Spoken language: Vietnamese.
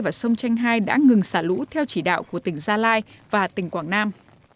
điện an khê và sông chanh hai đã ngừng xả lũ theo chỉ đạo của tỉnh gia lai và tỉnh quảng nam